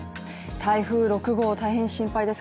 台風６号、大変心配です。